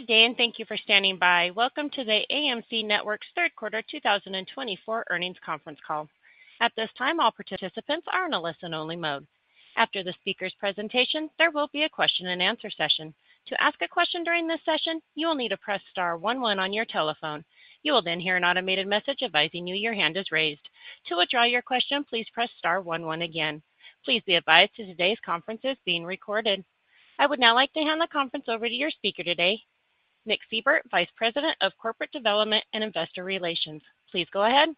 Good day, and thank you for standing by. Welcome to the AMC Networks Third Quarter 2024 Earnings Conference Call. At this time, all participants are in a listen-only mode. After the speaker's presentation, there will be a question-and-answer session. To ask a question during this session, you will need to press star one one on your telephone. You will then hear an automated message advising you your hand is raised. To withdraw your question, please press star one one again. Please be advised that today's conference is being recorded. I would now like to hand the conference over to your speaker today, Nick Seibert, Vice President of Corporate Development and Investor Relations. Please go ahead.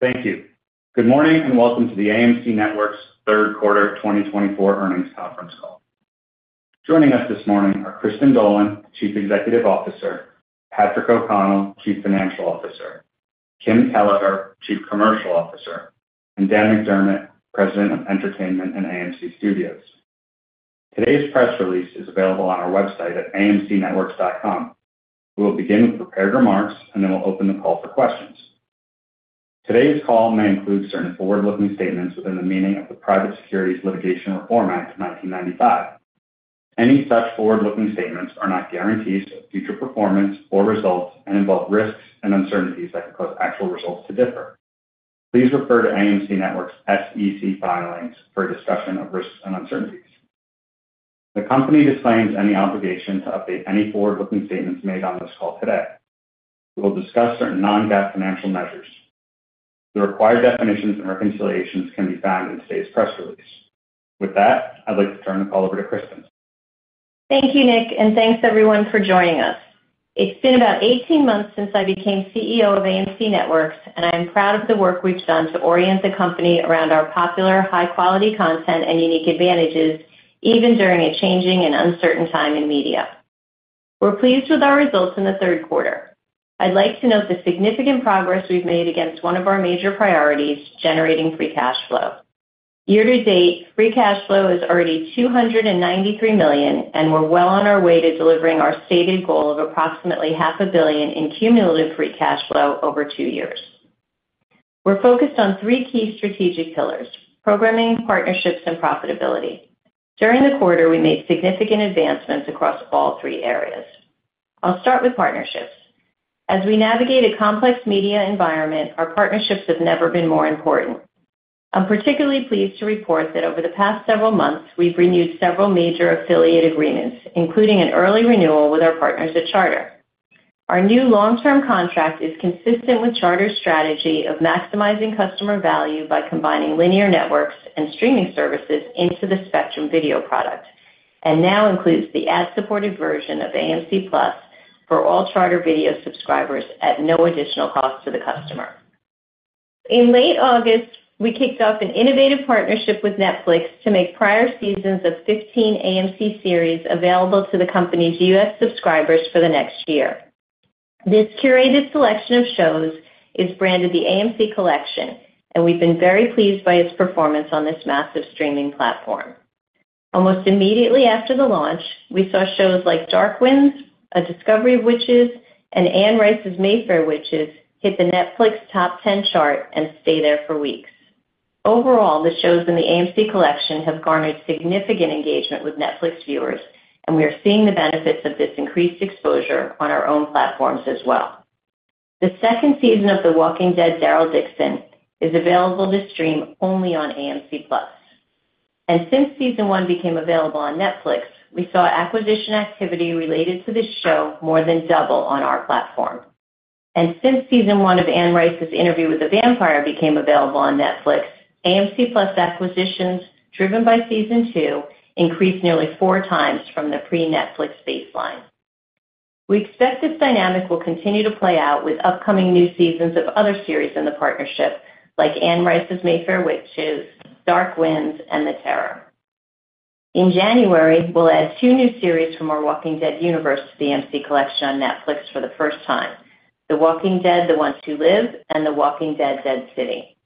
Thank you. Good morning and welcome to the AMC Networks third quarter 2024 Earnings Conference Call. Joining us this morning are Kristin Dolan, Chief Executive Officer, Patrick O'Connell, Chief Financial Officer, Kim Kelleher, Chief Commercial Officer, and Dan McDermott, President of Entertainment and AMC Studios. Today's press release is available on our website at amcnetworks.com. We will begin with prepared remarks, and then we'll open the call for questions. Today's call may include certain forward-looking statements within the meaning of the Private Securities Litigation Reform Act of 1995. Any such forward-looking statements are not guarantees of future performance or results and involve risks and uncertainties that could cause actual results to differ. Please refer to AMC Networks' SEC filings for a discussion of risks and uncertainties. The company disclaims any obligation to update any forward-looking statements made on this call today. We will discuss certain non-GAAP financial measures. The required definitions and reconciliations can be found in today's press release. With that, I'd like to turn the call over to Kristin. Thank you, Nick, and thanks, everyone, for joining us. It's been about 18 months since I became CEO of AMC Networks, and I am proud of the work we've done to orient the company around our popular, high-quality content and unique advantages, even during a changing and uncertain time in media. We're pleased with our results in the third quarter. I'd like to note the significant progress we've made against one of our major priorities, generating free cash flow. Year to date, free cash flow is already $293 million, and we're well on our way to delivering our stated goal of approximately $500 million in cumulative free cash flow over two years. We're focused on three key strategic pillars: programming, partnerships, and profitability. During the quarter, we made significant advancements across all three areas. I'll start with partnerships. As we navigate a complex media environment, our partnerships have never been more important. I'm particularly pleased to report that over the past several months, we've renewed several major affiliate agreements, including an early renewal with our partners at Charter. Our new long-term contract is consistent with Charter's strategy of maximizing customer value by combining linear networks and streaming services into the Spectrum video product, and now includes the ad-supported version of AMC+ for all Charter video subscribers at no additional cost to the customer. In late August, we kicked off an innovative partnership with Netflix to make prior seasons of 15 AMC series available to the company's U.S. subscribers for the next year. This curated selection of shows is branded the AMC Collection, and we've been very pleased by its performance on this massive streaming platform. Almost immediately after the launch, we saw shows like Dark Winds, A Discovery of Witches, and Anne Rice's Mayfair Witches hit the Netflix Top 10 chart and stayed there for weeks. Overall, the shows in the AMC Collection have garnered significant engagement with Netflix viewers, and we are seeing the benefits of this increased exposure on our own platforms as well. The second season of The Walking Dead: Daryl Dixon is available to stream only on AMC+. And since season one became available on Netflix, we saw acquisition activity related to this show more than double on our platform. And since season one of Anne Rice's Interview with the Vampire became available on Netflix, AMC+ acquisitions, driven by season two, increased nearly four times from the pre-Netflix baseline. We expect this dynamic will continue to play out with upcoming new seasons of other series in the partnership, like Anne Rice's Mayfair Witches, Dark Winds, and The Terror. In January, we'll add two new series from our Walking Dead universe to the AMC Collection on Netflix for the first time: The Walking Dead: The Ones Who Live and The Walking Dead: Dead City.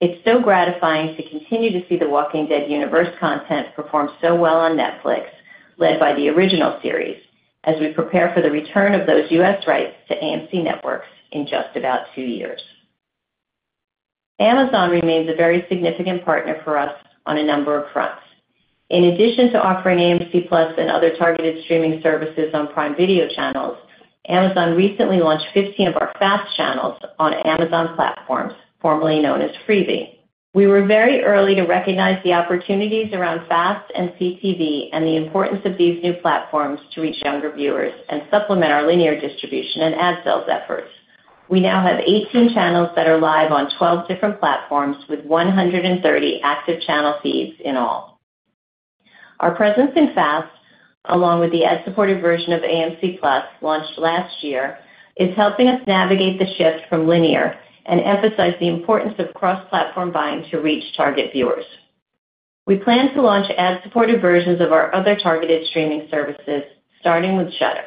It's so gratifying to continue to see The Walking Dead universe content perform so well on Netflix, led by the original series, as we prepare for the return of those U.S. rights to AMC Networks in just about two years. Amazon remains a very significant partner for us on a number of fronts. In addition to offering AMC+ and other targeted streaming services on Prime Video channels, Amazon recently launched 15 of our FAST channels on Amazon platforms, formerly known as Freevee. We were very early to recognize the opportunities around FAST and CTV and the importance of these new platforms to reach younger viewers and supplement our linear distribution and ad sales efforts. We now have 18 channels that are live on 12 different platforms with 130 active channel feeds in all. Our presence in FAST, along with the ad-supported version of AMC+ launched last year, is helping us navigate the shift from linear and emphasize the importance of cross-platform buying to reach target viewers. We plan to launch ad-supported versions of our other targeted streaming services, starting with Shudder.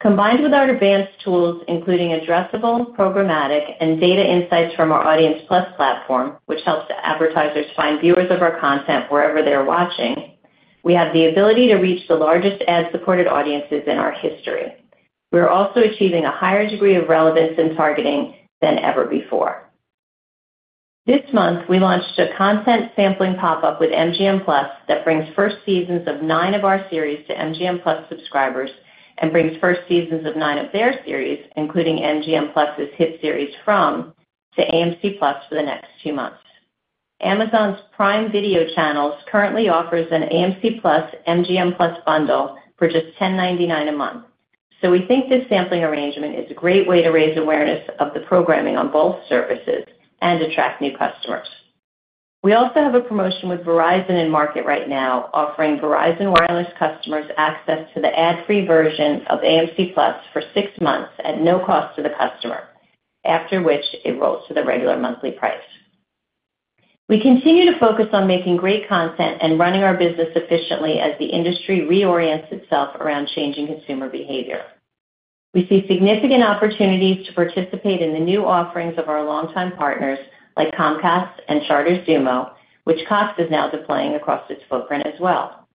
Combined with our advanced tools, including addressable, programmatic, and data insights from our Audience+ platform, which helps advertisers find viewers of our content wherever they're watching, we have the ability to reach the largest ad-supported audiences in our history. We're also achieving a higher degree of relevance and targeting than ever before. This month, we launched a content sampling pop-up with MGM+ that brings first seasons of nine of our series to MGM+ subscribers and brings first seasons of nine of their series, including MGM+'s hit series From, to AMC+ for the next two months. Amazon's Prime Video channels currently offer an AMC+/MGM+ bundle for just $10.99 a month, so we think this sampling arrangement is a great way to raise awareness of the programming on both services and attract new customers. We also have a promotion with Verizon in market right now, offering Verizon Wireless customers access to the ad-free version of AMC+ for six months at no cost to the customer, after which it rolls to the regular monthly price. We continue to focus on making great content and running our business efficiently as the industry reorients itself around changing consumer behavior. We see significant opportunities to participate in the new offerings of our longtime partners like Comcast and Charter's Xumo, which Cox is now deploying across its footprint as well.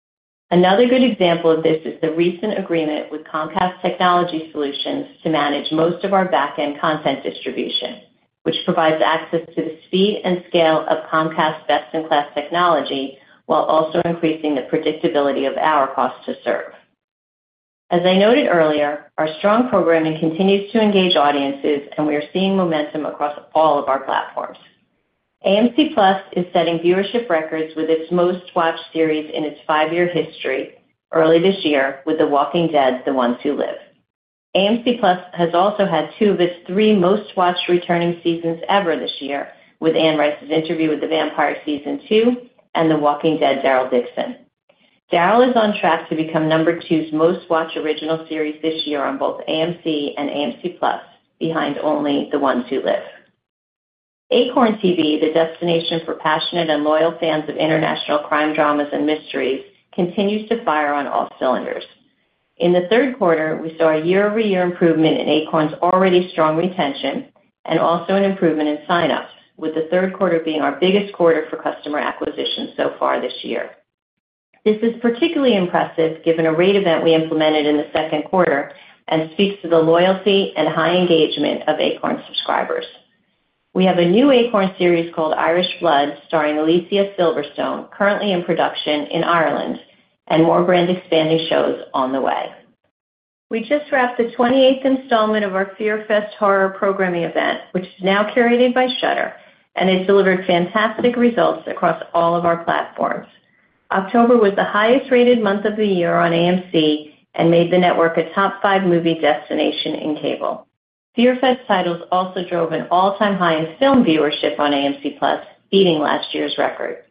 Another good example of this is the recent agreement with Comcast Technology Solutions to manage most of our back-end content distribution, which provides access to the speed and scale of Comcast's best-in-class technology while also increasing the predictability of our cost to serve. As I noted earlier, our strong programming continues to engage audiences, and we are seeing momentum across all of our platforms. AMC+ is setting viewership records with its most-watched series in its five-year history early this year with The Walking Dead: The Ones Who Live. AMC+ has also had two of its three most-watched returning seasons ever this year, with Anne Rice's Interview with the Vampire season two and The Walking Dead: Daryl Dixon. Daryl is on track to become number two's most-watched original series this year on both AMC and AMC+, behind only The Ones Who Live. Acorn TV, the destination for passionate and loyal fans of international crime dramas and mysteries, continues to fire on all cylinders. In the third quarter, we saw a year-over-year improvement in Acorn's already strong retention and also an improvement in sign-ups, with the third quarter being our biggest quarter for customer acquisition so far this year. This is particularly impressive given a rate event we implemented in the second quarter and speaks to the loyalty and high engagement of Acorn subscribers. We have a new Acorn series called Irish Blood starring Alicia Silverstone, currently in production in Ireland, and more brand-expanding shows on the way. We just wrapped the 28th installment of our FearFest Horror programming event, which is now curated by Shudder, and it's delivered fantastic results across all of our platforms. October was the highest-rated month of the year on AMC and made the network a top five movie destination in cable. FearFest titles also drove an all-time high in film viewership on AMC+, beating last year's record.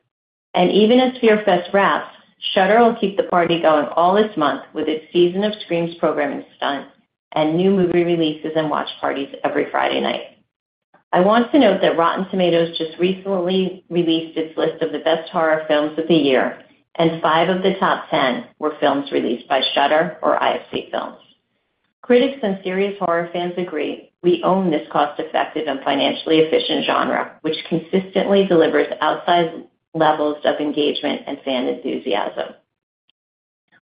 And even as FearFest wraps, Shudder will keep the party going all this month with its Season of Screams programming stunts and new movie releases and watch parties every Friday night. I want to note that Rotten Tomatoes just recently released its list of the best horror films of the year, and five of the top 10 were films released by Shudder or IFC Films. Critics and serious horror fans agree we own this cost-effective and financially efficient genre, which consistently delivers outsized levels of engagement and fan enthusiasm.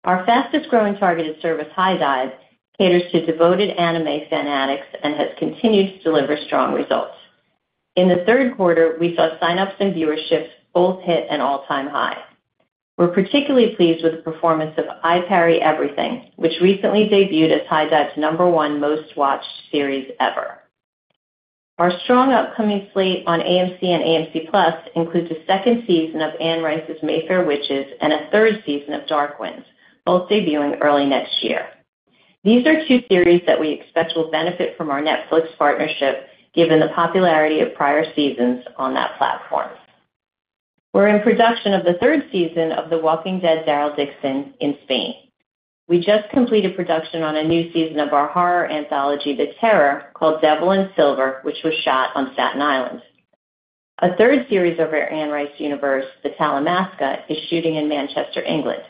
Our fastest-growing targeted service HIDIVE caters to devoted anime fanatics and has continued to deliver strong results. In the third quarter, we saw sign-ups and viewership both hit an all-time high. We're particularly pleased with the performance of I Parry Everything, which recently debuted as HIDIVE's number one most-watched series ever. Our strong upcoming slate on AMC and AMC+ includes a second season of Anne Rice's Mayfair Witches and a third season of Dark Winds, both debuting early next year. These are two series that we expect will benefit from our Netflix partnership, given the popularity of prior seasons on that platform. We're in production of the third season of The Walking Dead: Daryl Dixon in Spain. We just completed production on a new season of our horror anthology The Terror called Devil in Silver, which was shot on Staten Island. A third series of our Anne Rice universe, The Talamasca, is shooting in Manchester, England,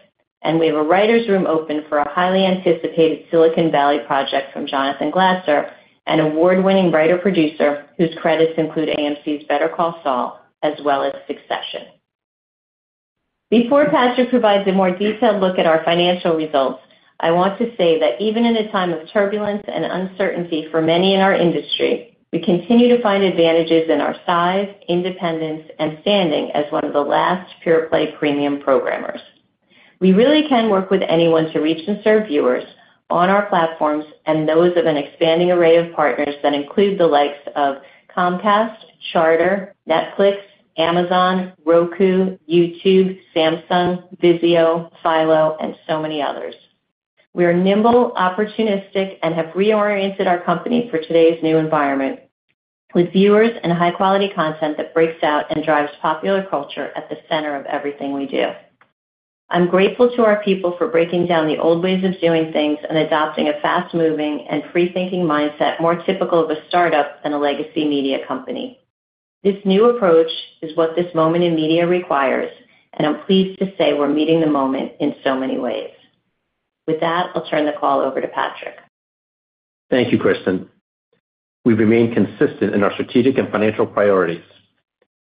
and we have a writer's room open for a highly anticipated Silicon Valley project from Jonathan Glatzer, an award-winning writer-producer whose credits include AMC's Better Call Saul as well as Succession. Before Patrick provides a more detailed look at our financial results, I want to say that even in a time of turbulence and uncertainty for many in our industry, we continue to find advantages in our size, independence, and standing as one of the last pure-play premium programmers. We really can work with anyone to reach and serve viewers on our platforms and those of an expanding array of partners that include the likes of Comcast, Charter, Netflix, Amazon, Roku, YouTube, Samsung, Vizio, Philo, and so many others. We are nimble, opportunistic, and have reoriented our company for today's new environment with viewers and high-quality content that breaks out and drives popular culture at the center of everything we do. I'm grateful to our people for breaking down the old ways of doing things and adopting a fast-moving and free-thinking mindset more typical of a startup than a legacy media company. This new approach is what this moment in media requires, and I'm pleased to say we're meeting the moment in so many ways. With that, I'll turn the call over to Patrick. Thank you, Kristin. We've remained consistent in our strategic and financial priorities.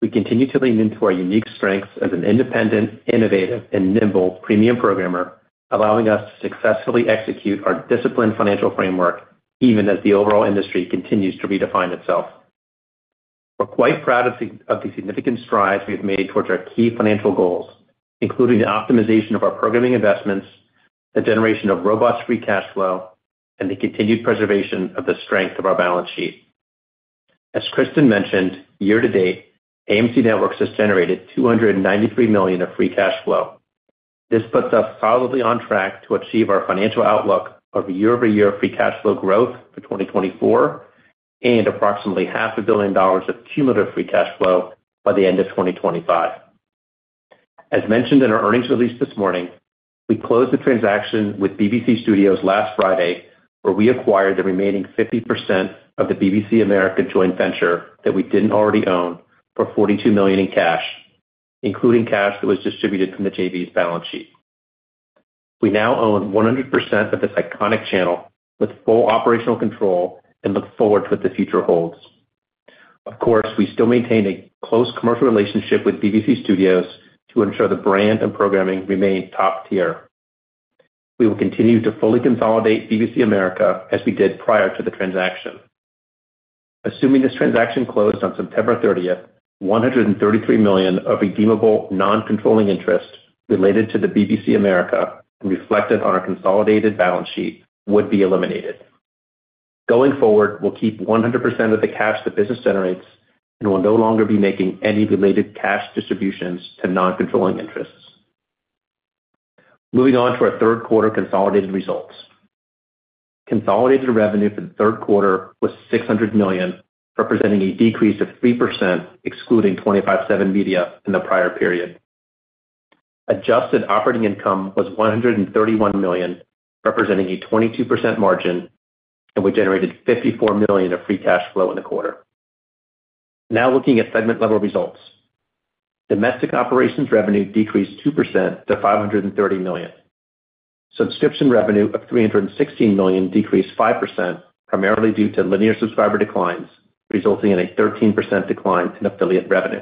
We continue to lean into our unique strengths as an independent, innovative, and nimble premium programmer, allowing us to successfully execute our disciplined financial framework even as the overall industry continues to redefine itself. We're quite proud of the significant strides we've made towards our key financial goals, including the optimization of our programming investments, the generation of robust free cash flow, and the continued preservation of the strength of our balance sheet. As Kristin mentioned, year to date, AMC Networks has generated $293 million of free cash flow. This puts us solidly on track to achieve our financial outlook of year-over-year free cash flow growth for 2024 and approximately $500 million of cumulative free cash flow by the end of 2025. As mentioned in our earnings release this morning, we closed the transaction with BBC Studios last Friday, where we acquired the remaining 50% of the BBC America joint venture that we didn't already own for $42 million in cash, including cash that was distributed from the JV's balance sheet. We now own 100% of this iconic channel with full operational control and look forward to what the future holds. Of course, we still maintain a close commercial relationship with BBC Studios to ensure the brand and programming remain top tier. We will continue to fully consolidate BBC America as we did prior to the transaction. Assuming this transaction closed on September 30th, $133 million of redeemable non-controlling interest related to the BBC America reflected on our consolidated balance sheet would be eliminated. Going forward, we'll keep 100% of the cash the business generates and will no longer be making any related cash distributions to non-controlling interests. Moving on to our third quarter consolidated results. Consolidated revenue for the third quarter was $600 million, representing a decrease of 3% excluding 25/7 Media in the prior period. Adjusted operating income was $131 million, representing a 22% margin, and we generated $54 million of free cash flow in the quarter. Now looking at segment-level results. Domestic operations revenue decreased 2% to $530 million. Subscription revenue of $316 million decreased 5%, primarily due to linear subscriber declines, resulting in a 13% decline in affiliate revenue.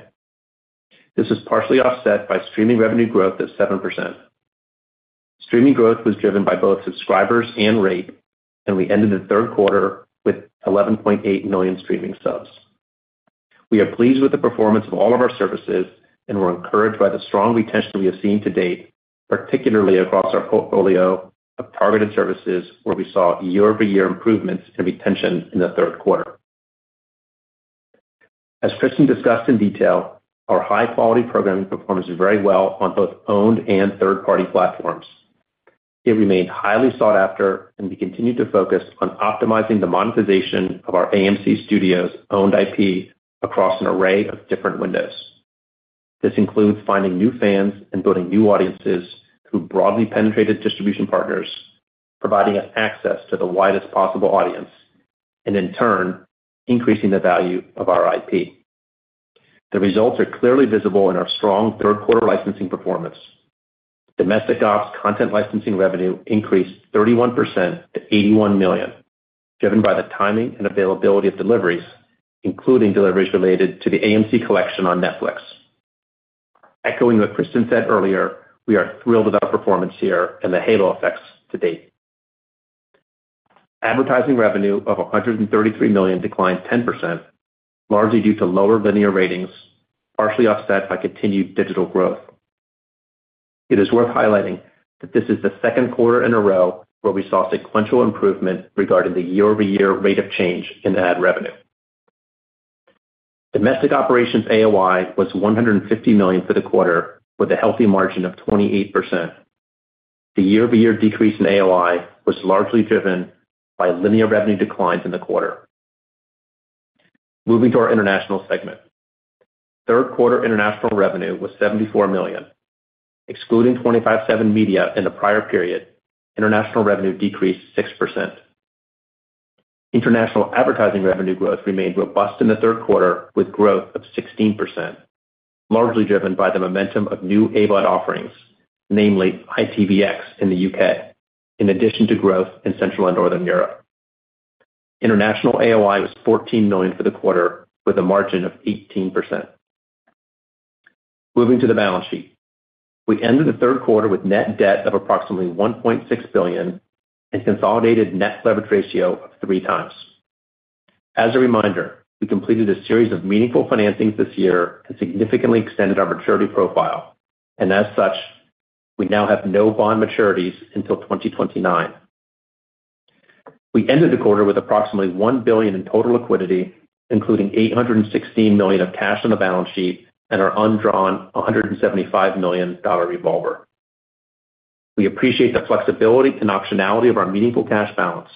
This was partially offset by streaming revenue growth of 7%. Streaming growth was driven by both subscribers and rate, and we ended the third quarter with 11.8 million streaming subs. We are pleased with the performance of all of our services and were encouraged by the strong retention we have seen to date, particularly across our portfolio of targeted services, where we saw year-over-year improvements in retention in the third quarter. As Kristin discussed in detail, our high-quality programming performs very well on both owned and third-party platforms. It remained highly sought after, and we continued to focus on optimizing the monetization of our AMC Studios owned IP across an array of different windows. This includes finding new fans and building new audiences through broadly penetrated distribution partners, providing us access to the widest possible audience, and in turn, increasing the value of our IP. The results are clearly visible in our strong third-quarter licensing performance. Domestic ops content licensing revenue increased 31% to $81 million, driven by the timing and availability of deliveries, including deliveries related to the AMC Collection on Netflix. Echoing what Kristin said earlier, we are thrilled with our performance here and the halo effects to date. Advertising revenue of $133 million declined 10%, largely due to lower linear ratings, partially offset by continued digital growth. It is worth highlighting that this is the second quarter in a row where we saw sequential improvement regarding the year-over-year rate of change in ad revenue. Domestic operations AOI was $150 million for the quarter, with a healthy margin of 28%. The year-over-year decrease in AOI was largely driven by linear revenue declines in the quarter. Moving to our international segment. Third-quarter international revenue was $74 million. Excluding 25/7 Media in the prior period, international revenue decreased 6%. International advertising revenue growth remained robust in the third quarter, with growth of 16%, largely driven by the momentum of new AVOD offerings, namely ITVX in the U.K., in addition to growth in Central and Northern Europe. International AOI was $14 million for the quarter, with a margin of 18%. Moving to the balance sheet. We ended the third quarter with net debt of approximately $1.6 billion and consolidated net leverage ratio of three times. As a reminder, we completed a series of meaningful financings this year and significantly extended our maturity profile, and as such, we now have no bond maturities until 2029. We ended the quarter with approximately $1 billion in total liquidity, including $816 million of cash on the balance sheet and our undrawn $175 million revolver. We appreciate the flexibility and optionality of our meaningful cash balance.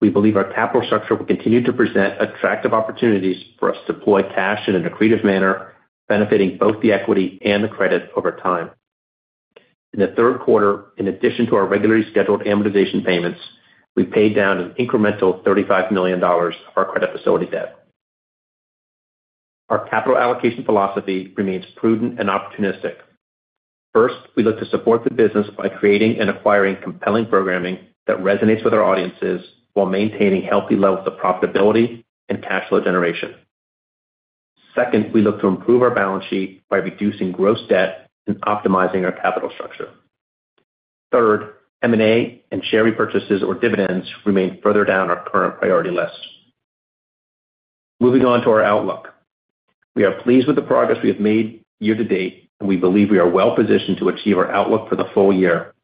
We believe our capital structure will continue to present attractive opportunities for us to deploy cash in a lucrative manner, benefiting both the equity and the credit over time. In the third quarter, in addition to our regularly scheduled amortization payments, we paid down an incremental $35 million of our credit facility debt. Our capital allocation philosophy remains prudent and opportunistic. First, we look to support the business by creating and acquiring compelling programming that resonates with our audiences while maintaining healthy levels of profitability and cash flow generation. Second, we look to improve our balance sheet by reducing gross debt and optimizing our capital structure. Third, M&A and share repurchases or dividends remain further down our current priority list. Moving on to our outlook. We are pleased with the progress we have made year to date, and we believe we are well positioned to achieve our outlook for the full year.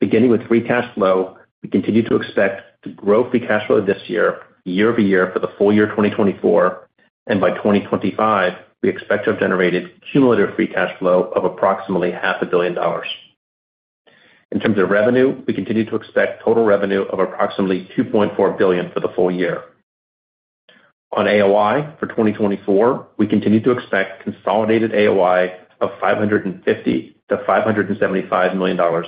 Beginning with free cash flow, we continue to expect to grow free cash flow this year, year-over-year for the full year 2024, and by 2025, we expect to have generated cumulative free cash flow of approximately $500 million. In terms of revenue, we continue to expect total revenue of approximately $2.4 billion for the full year. On AOI for 2024, we continue to expect consolidated AOI of $550-$575 million,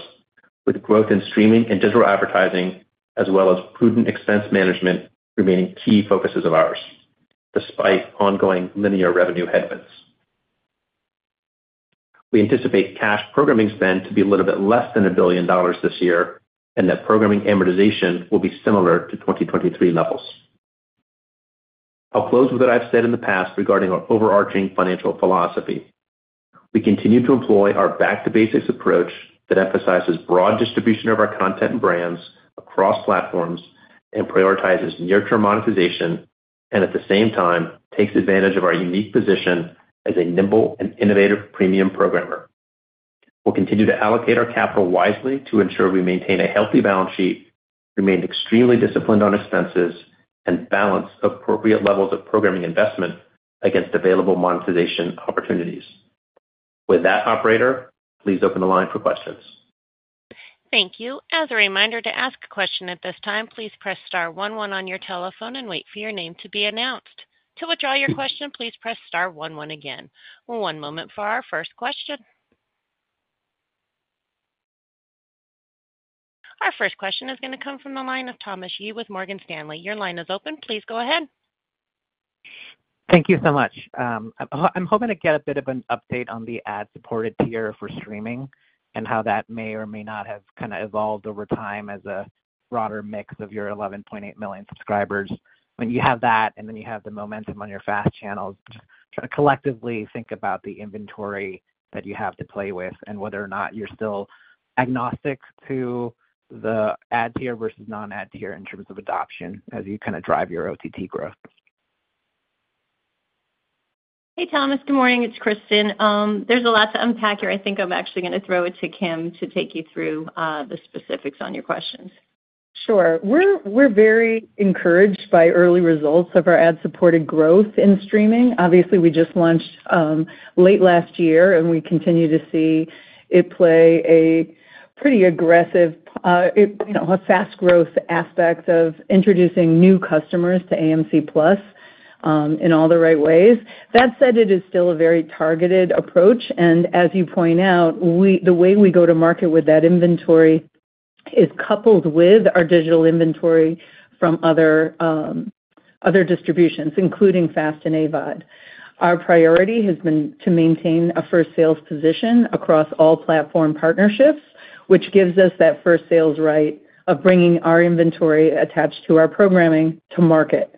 with growth in streaming and digital advertising, as well as prudent expense management, remaining key focuses of ours, despite ongoing linear revenue headwinds. We anticipate cash programming spend to be a little bit less than $1 billion this year and that programming amortization will be similar to 2023 levels. I'll close with what I've said in the past regarding our overarching financial philosophy. We continue to employ our back-to-basics approach that emphasizes broad distribution of our content and brands across platforms and prioritizes near-term monetization, and at the same time, takes advantage of our unique position as a nimble and innovative premium programmer. We'll continue to allocate our capital wisely to ensure we maintain a healthy balance sheet, remain extremely disciplined on expenses, and balance appropriate levels of programming investment against available monetization opportunities. With that, Operator, please open the line for questions. Thank you. As a reminder to ask a question at this time, please press star one one on your telephone and wait for your name to be announced. To withdraw your question, please press star one one again. One moment for our first question. Our first question is going to come from the line of Thomas Yeh with Morgan Stanley. Your line is open. Please go ahead. Thank you so much. I'm hoping to get a bit of an update on the ad-supported tier for streaming and how that may or may not have kind of evolved over time as a broader mix of your 11.8 million subscribers. When you have that and then you have the momentum on your fast channels, just trying to collectively think about the inventory that you have to play with and whether or not you're still agnostic to the ad tier versus non-ad tier in terms of adoption as you kind of drive your OTT growth. Hey, Thomas. Good morning. It's Kristin. There's a lot to unpack here. I think I'm actually going to throw it to Kim to take you through the specifics on your questions. Sure. We're very encouraged by early results of our ad-supported growth in streaming. Obviously, we just launched late last year, and we continue to see it play a pretty aggressive, fast-growth aspect of introducing new customers to AMC+ in all the right ways. That said, it is still a very targeted approach. And as you point out, the way we go to market with that inventory is coupled with our digital inventory from other distributions, including FAST and AVOD. Our priority has been to maintain a first sales position across all platform partnerships, which gives us that first sales right of bringing our inventory attached to our programming to market.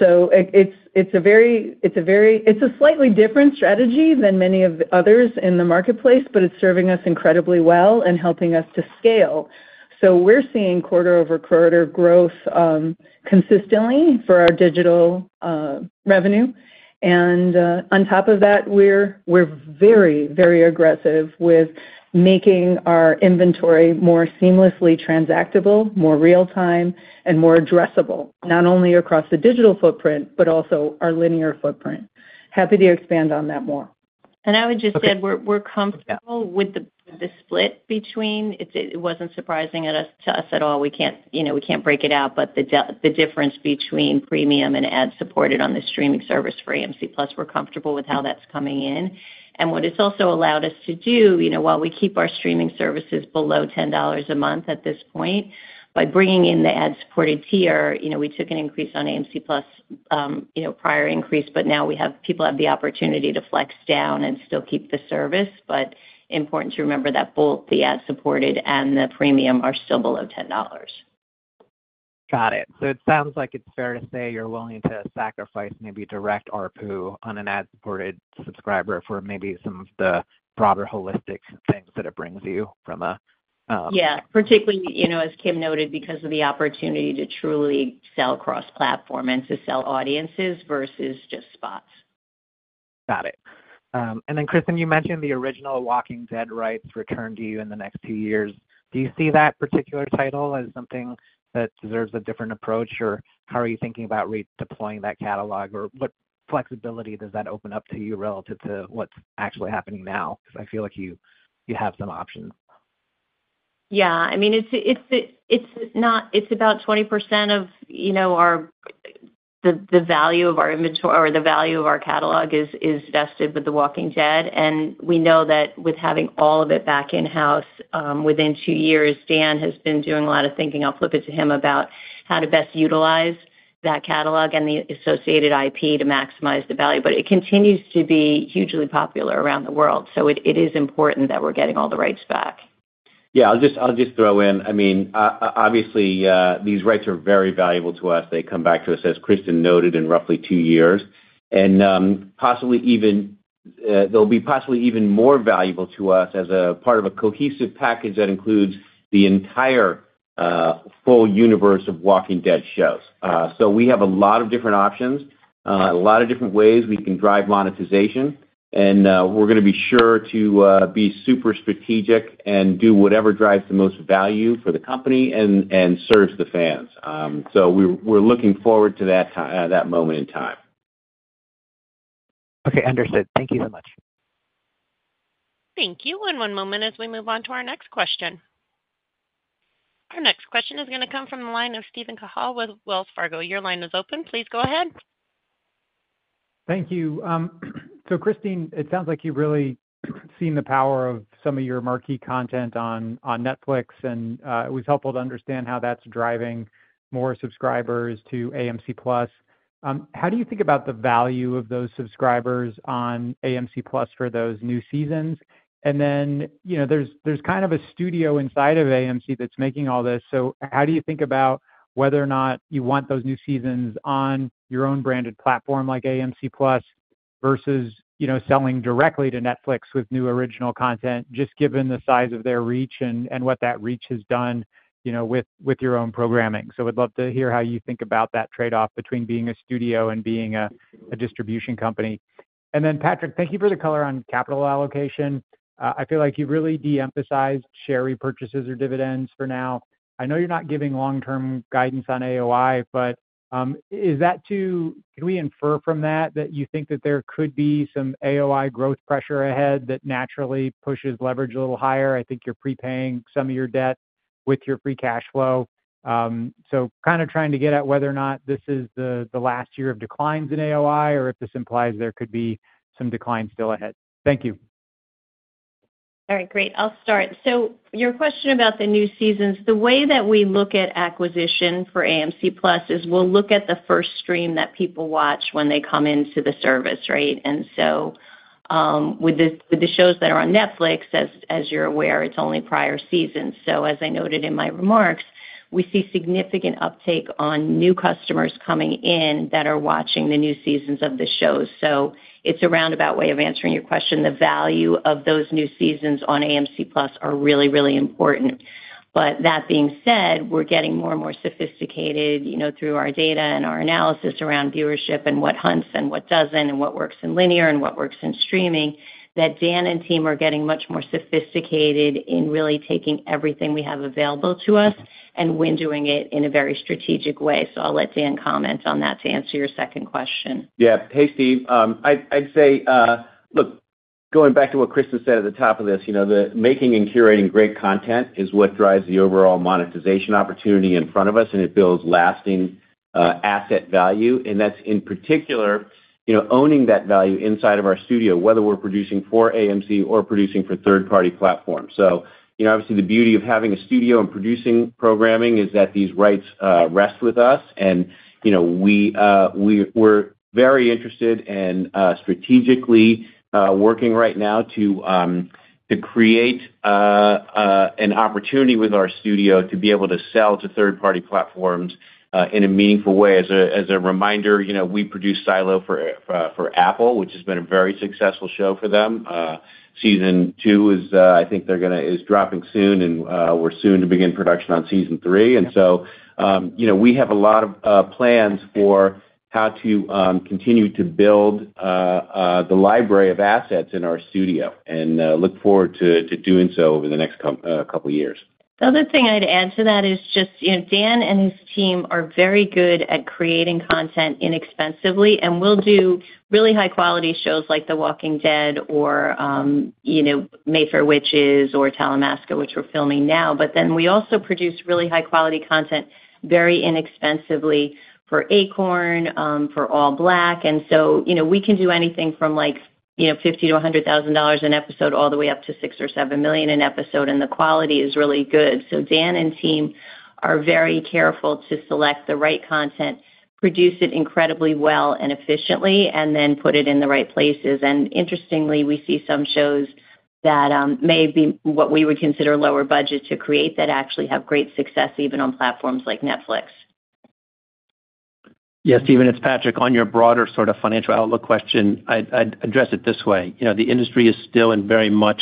It's a very, it's a slightly different strategy than many of the others in the marketplace, but it's serving us incredibly well and helping us to scale. We're seeing quarter-over-quarter growth consistently for our digital revenue. And on top of that, we're very, very aggressive with making our inventory more seamlessly transactable, more real-time, and more addressable, not only across the digital footprint, but also our linear footprint. Happy to expand on that more. And I would just add, we're comfortable with the split between. It wasn't surprising to us at all. We can't break it out, but the difference between premium and ad-supported on the streaming service for AMC+, we're comfortable with how that's coming in. And what it's also allowed us to do, while we keep our streaming services below $10 a month at this point, by bringing in the ad-supported tier, we took an increase on AMC+'s prior increase, but now people have the opportunity to flex down and still keep the service. But important to remember that both the ad-supported and the premium are still below $10. Got it. So it sounds like it's fair to say you're willing to sacrifice maybe direct RPU on an ad-supported subscriber for maybe some of the broader holistic things that it brings you from a. Yeah. Particularly, as Kim noted, because of the opportunity to truly sell cross-platform and to sell audiences versus just spots. Got it. And then, Kristin, you mentioned the original Walking Dead rights return to you in the next two years. Do you see that particular title as something that deserves a different approach, or how are you thinking about redeploying that catalog, or what flexibility does that open up to you relative to what's actually happening now? Because I feel like you have some options. Yeah. I mean, it's about 20% of the value of our inventory, or the value of our catalog, is vested with The Walking Dead. And we know that with having all of it back in-house within two years, Dan has been doing a lot of thinking. I'll flip it to him about how to best utilize that catalog and the associated IP to maximize the value. But it continues to be hugely popular around the world, so it is important that we're getting all the rights back. Yeah. I'll just throw in. I mean, obviously, these rights are very valuable to us. They come back to us, as Kristin noted, in roughly two years, and they'll be possibly even more valuable to us as a part of a cohesive package that includes the entire full universe of Walking Dead shows. So we have a lot of different options, a lot of different ways we can drive monetization, and we're going to be sure to be super strategic and do whatever drives the most value for the company and serves the fans, so we're looking forward to that moment in time. Okay. Understood. Thank you so much. Thank you. One moment as we move on to our next question. Our next question is going to come from the line of Steven Cahall with Wells Fargo. Your line is open. Please go ahead. Thank you. So Kristin, it sounds like you've really seen the power of some of your marquee content on Netflix, and it was helpful to understand how that's driving more subscribers to AMC+. How do you think about the value of those subscribers on AMC+ for those new seasons? And then there's kind of a studio inside of AMC that's making all this. So how do you think about whether or not you want those new seasons on your own branded platform like AMC+ versus selling directly to Netflix with new original content, just given the size of their reach and what that reach has done with your own programming? So I would love to hear how you think about that trade-off between being a studio and being a distribution company. And then, Patrick, thank you for the color on capital allocation. I feel like you've really de-emphasized share repurchases or dividends for now. I know you're not giving long-term guidance on AOI, but is that too? Can we infer from that that you think that there could be some AOI growth pressure ahead that naturally pushes leverage a little higher? I think you're prepaying some of your debt with your free cash flow. So kind of trying to get at whether or not this is the last year of declines in AOI or if this implies there could be some declines still ahead. Thank you. All right. Great. I'll start. So your question about the new seasons, the way that we look at acquisition for AMC+ is we'll look at the first stream that people watch when they come into the service, right? And so with the shows that are on Netflix, as you're aware, it's only prior seasons. So as I noted in my remarks, we see significant uptake on new customers coming in that are watching the new seasons of the shows. So it's a roundabout way of answering your question. The value of those new seasons on AMC+ are really, really important. But that being said, we're getting more and more sophisticated through our data and our analysis around viewership and what hits and what doesn't and what works in linear and what works in streaming. That Dan and team are getting much more sophisticated in really taking everything we have available to us and windowing it in a very strategic way. So I'll let Dan comment on that to answer your second question. Yeah. Hey, Steve. I'd say, look, going back to what Kristin said at the top of this, the making and curating great content is what drives the overall monetization opportunity in front of us, and it builds lasting asset value. And that's in particular owning that value inside of our studio, whether we're producing for AMC or producing for third-party platforms. So obviously, the beauty of having a studio and producing programming is that these rights rest with us. And we're very interested and strategically working right now to create an opportunity with our studio to be able to sell to third-party platforms in a meaningful way. As a reminder, we produce Silo for Apple, which has been a very successful show for them. Season two is, I think they're going to drop soon, and we're soon to begin production on season three. And so we have a lot of plans for how to continue to build the library of assets in our studio and look forward to doing so over the next couple of years. The other thing I'd add to that is just Dan and his team are very good at creating content inexpensively, and we'll do really high-quality shows like The Walking Dead or Mayfair Witches or Talamasca, which we're filming now. But then we also produce really high-quality content very inexpensively for Acorn, for ALLBLK. And so we can do anything from $50,000-$100,000 an episode all the way up to $6-$7 million an episode, and the quality is really good. So Dan and team are very careful to select the right content, produce it incredibly well and efficiently, and then put it in the right places. Interestingly, we see some shows that may be what we would consider lower budget to create that actually have great success even on platforms like Netflix. Yeah. Steven, it's Patrick. On your broader sort of financial outlook question, I'd address it this way. The industry is still and very much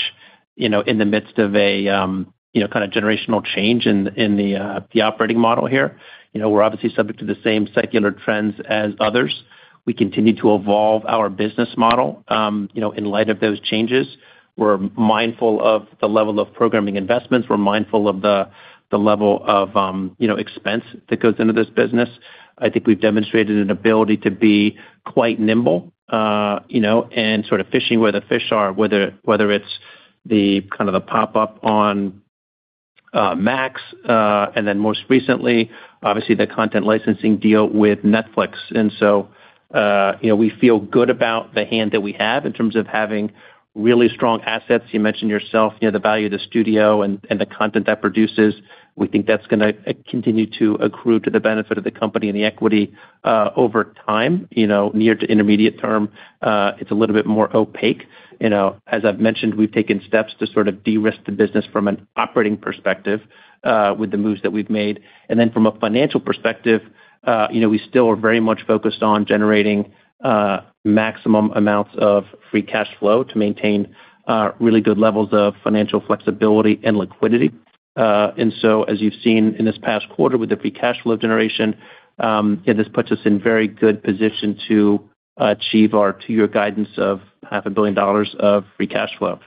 in the midst of a kind of generational change in the operating model here. We're obviously subject to the same secular trends as others. We continue to evolve our business model in light of those changes. We're mindful of the level of programming investments. We're mindful of the level of expense that goes into this business. I think we've demonstrated an ability to be quite nimble and sort of fishing where the fish are, whether it's the kind of pop-up on Max and then most recently, obviously, the content licensing deal with Netflix. And so we feel good about the hand that we have in terms of having really strong assets. You mentioned yourself the value of the studio and the content that produces. We think that's going to continue to accrue to the benefit of the company and the equity over time. Near to intermediate term, it's a little bit more opaque. As I've mentioned, we've taken steps to sort of de-risk the business from an operating perspective with the moves that we've made. And then from a financial perspective, we still are very much focused on generating maximum amounts of free cash flow to maintain really good levels of financial flexibility and liquidity. And so as you've seen in this past quarter with the free cash flow generation, this puts us in very good position to achieve our two-year guidance of $500 million of free cash flow.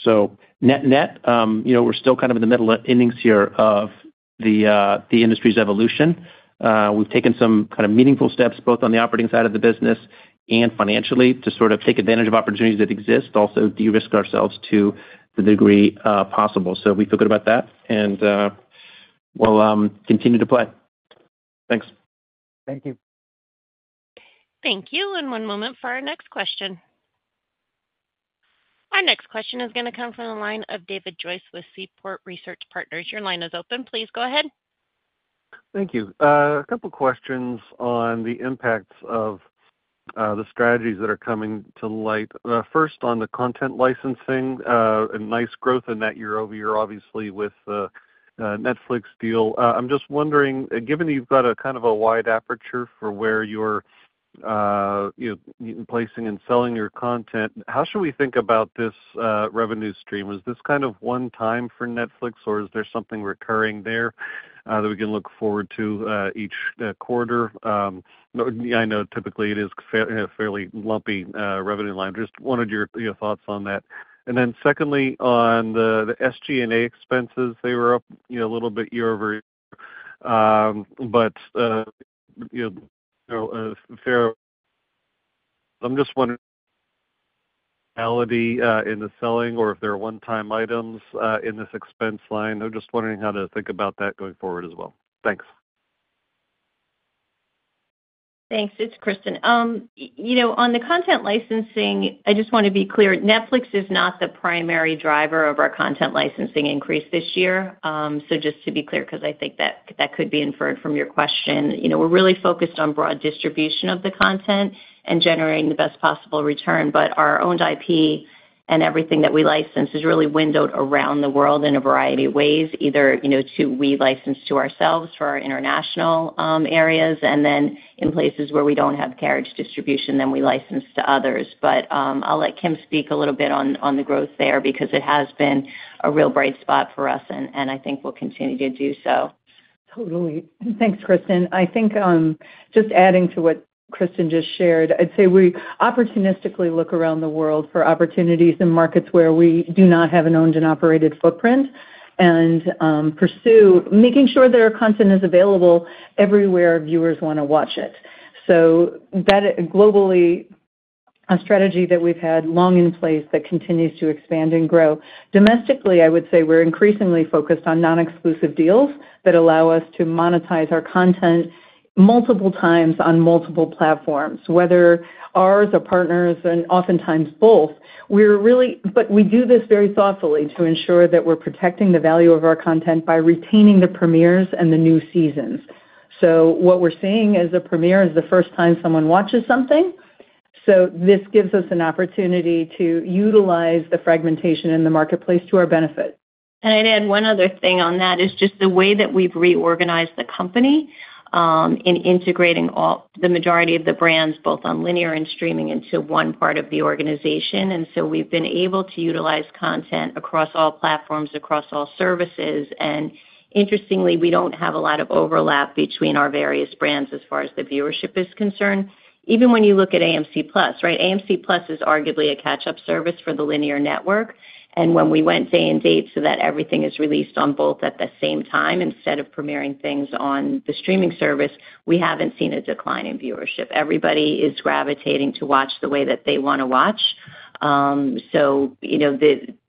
So net net, we're still kind of in the middle of endings here of the industry's evolution. We've taken some kind of meaningful steps both on the operating side of the business and financially to sort of take advantage of opportunities that exist, also de-risk ourselves to the degree possible. So we feel good about that, and we'll continue to play. Thanks. Thank you. Thank you. And one moment for our next question. Our next question is going to come from the line of David Joyce with Seaport Research Partners. Your line is open. Please go ahead. Thank you. A couple of questions on the impacts of the strategies that are coming to light. First, on the content licensing, a nice growth in that year over year, obviously, with the Netflix deal. I'm just wondering, given you've got a kind of a wide aperture for where you're placing and selling your content, how should we think about this revenue stream? Is this kind of one time for Netflix, or is there something recurring there that we can look forward to each quarter? I know typically it is a fairly lumpy revenue line. Just wanted your thoughts on that. And then secondly, on the SG&A expenses, they were up a little bit year over year, but I'm just wondering, variability in the selling or if there are one-time items in this expense line. I'm just wondering how to think about that going forward as well. Thanks. Thanks. It's Kristin. On the content licensing, I just want to be clear. Netflix is not the primary driver of our content licensing increase this year. So just to be clear, because I think that could be inferred from your question, we're really focused on broad distribution of the content and generating the best possible return. But our owned IP and everything that we license is really windowed around the world in a variety of ways, either to we license to ourselves for our international areas and then in places where we don't have carriage distribution, then we license to others. But I'll let Kim speak a little bit on the growth there because it has been a real bright spot for us, and I think we'll continue to do so. Totally. Thanks, Kristin. I think just adding to what Kristin just shared, I'd say we opportunistically look around the world for opportunities in markets where we do not have an owned and operated footprint and pursue making sure that our content is available everywhere viewers want to watch it. So globally, a strategy that we've had long in place that continues to expand and grow. Domestically, I would say we're increasingly focused on non-exclusive deals that allow us to monetize our content multiple times on multiple platforms, whether ours or partners and oftentimes both. But we do this very thoughtfully to ensure that we're protecting the value of our content by retaining the premieres and the new seasons. So what we're seeing as a premiere is the first time someone watches something. So this gives us an opportunity to utilize the fragmentation in the marketplace to our benefit. And I'd add one other thing on that is just the way that we've reorganized the company in integrating the majority of the brands, both on linear and streaming, into one part of the organization. And so we've been able to utilize content across all platforms, across all services. And interestingly, we don't have a lot of overlap between our various brands as far as the viewership is concerned. Even when you look at AMC+, right? AMC+ is arguably a catch-up service for the linear network. And when we went day and date so that everything is released on both at the same time instead of premiering things on the streaming service, we haven't seen a decline in viewership. Everybody is gravitating to watch the way that they want to watch. So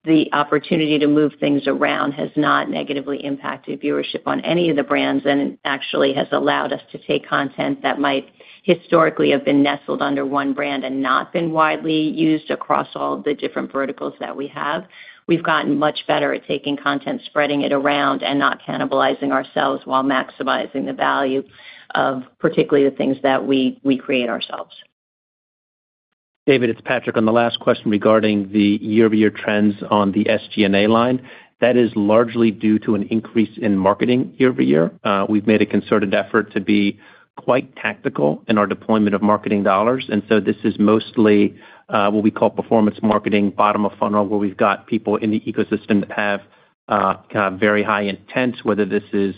the opportunity to move things around has not negatively impacted viewership on any of the brands and actually has allowed us to take content that might historically have been nestled under one brand and not been widely used across all the different verticals that we have. We've gotten much better at taking content, spreading it around, and not cannibalizing ourselves while maximizing the value of particularly the things that we create ourselves. David, it's Patrick on the last question regarding the year-over-year trends on the SG&A line. That is largely due to an increase in marketing year over year. We've made a concerted effort to be quite tactical in our deployment of marketing dollars. And so this is mostly what we call performance marketing, bottom of funnel, where we've got people in the ecosystem that have very high intent, whether this is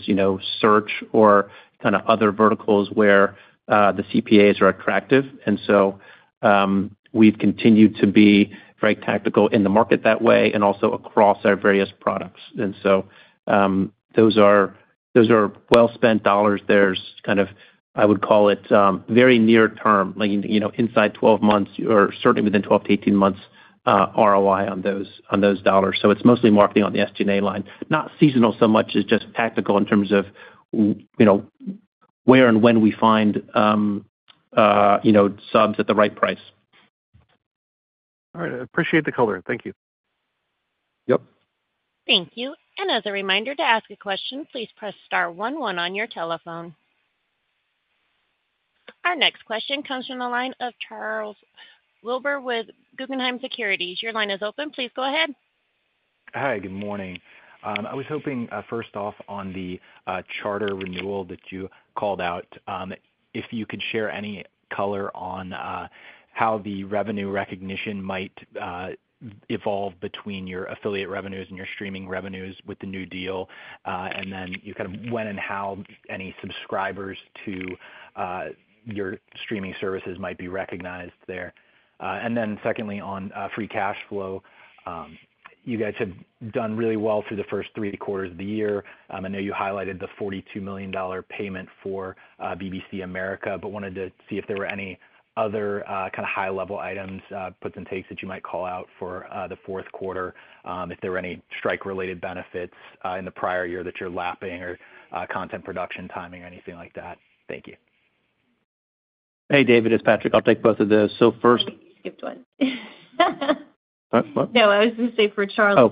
search or kind of other verticals where the CPAs are attractive. And so we've continued to be very tactical in the market that way and also across our various products. And so those are well-spent dollars. There's kind of, I would call it, very near term, inside 12 months or certainly within 12-18 months ROI on those dollars. So it's mostly marketing on the SG&A line, not seasonal so much as just tactical in terms of where and when we find subs at the right price. All right. I appreciate the color. Thank you. Yep. Thank you. And as a reminder to ask a question, please press star one one on your telephone. Our next question comes from the line of Charles Wilber with Guggenheim Securities. Your line is open. Please go ahead. Hi. Good morning. I was hoping, first off, on the Charter renewal that you called out, if you could share any color on how the revenue recognition might evolve between your affiliate revenues and your streaming revenues with the new deal, and then kind of when and how any subscribers to your streaming services might be recognized there. And then secondly, on free cash flow, you guys have done really well through the first three quarters of the year. I know you highlighted the $42 million payment for BBC America, but wanted to see if there were any other kind of high-level items, puts and takes that you might call out for the fourth quarter, if there were any strike-related benefits in the prior year that you're lapping or content production timing or anything like that. Thank you. Hey, David. It's Patrick. I'll take both of those. So first. Skipped one. No, I was going to say for Charles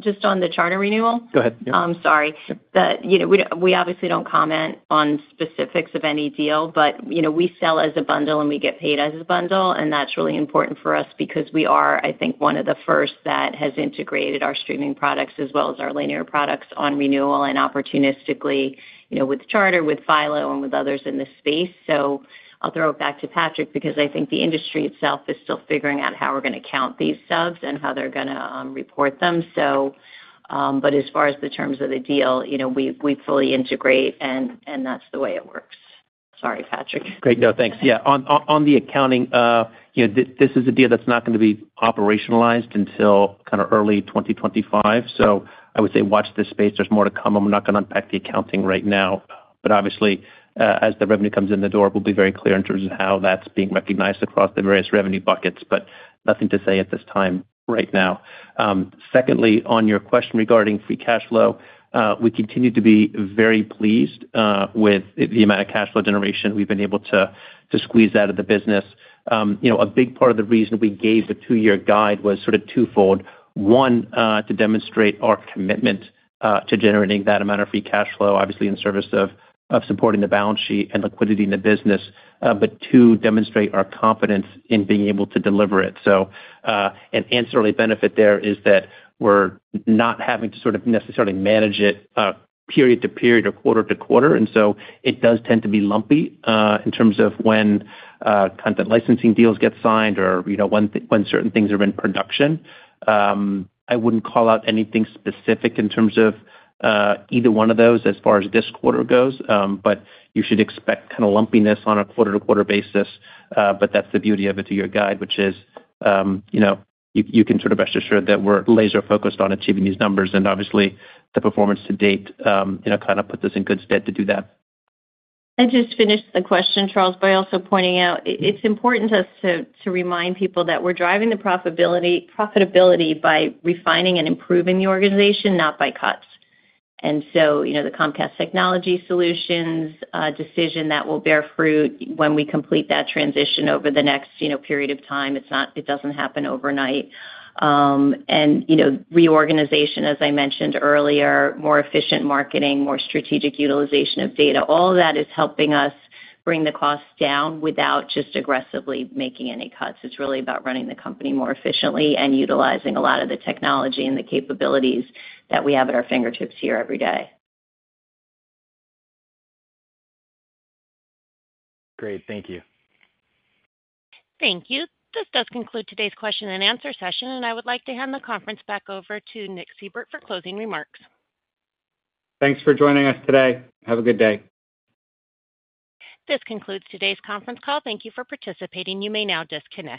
just on the Charter renewal. Go ahead. I'm sorry. We obviously don't comment on specifics of any deal, but we sell as a bundle and we get paid as a bundle. That's really important for us because we are, I think, one of the first that has integrated our streaming products as well as our linear products on renewal and opportunistically with Charter, with Philo, and with others in this space. So I'll throw it back to Patrick because I think the industry itself is still figuring out how we're going to count these subs and how they're going to report them. But as far as the terms of the deal, we fully integrate, and that's the way it works. Sorry, Patrick. Great. No, thanks. Yeah. On the accounting, this is a deal that's not going to be operationalized until kind of early 2025. So I would say watch this space. There's more to come. I'm not going to unpack the accounting right now. But obviously, as the revenue comes in the door, we'll be very clear in terms of how that's being recognized across the various revenue buckets. But nothing to say at this time right now. Secondly, on your question regarding free cash flow, we continue to be very pleased with the amount of cash flow generation we've been able to squeeze out of the business. A big part of the reason we gave the two-year guide was sort of twofold. One, to demonstrate our commitment to generating that amount of free cash flow, obviously in service of supporting the balance sheet and liquidity in the business, but two, demonstrate our confidence in being able to deliver it. So an ancillary benefit there is that we're not having to sort of necessarily manage it period to period or quarter to quarter. And so it does tend to be lumpy in terms of when content licensing deals get signed or when certain things are in production. I wouldn't call out anything specific in terms of either one of those as far as this quarter goes, but you should expect kind of lumpiness on a quarter-to-quarter basis. But that's the beauty of it to your guide, which is you can sort of rest assured that we're laser-focused on achieving these numbers. And obviously, the performance to date kind of puts us in good stead to do that. I just finished the question, Charles, by also pointing out it's important to remind people that we're driving the profitability by refining and improving the organization, not by cuts. And so the Comcast Technology Solutions decision that will bear fruit when we complete that transition over the next period of time. It doesn't happen overnight. And reorganization, as I mentioned earlier, more efficient marketing, more strategic utilization of data, all of that is helping us bring the costs down without just aggressively making any cuts. It's really about running the company more efficiently and utilizing a lot of the technology and the capabilities that we have at our fingertips here every day. Great. Thank you. Thank you. This does conclude today's question and answer session, and I would like to hand the conference back over to Nick Seibert for closing remarks. Thanks for joining us today. Have a good day. This concludes today's conference call. Thank you for participating. You may now disconnect.